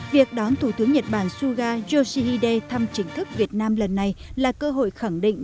việc đón thủ tướng nhật bản suga yoshihide thăm chính thức việt nam lần này là cơ hội khẳng định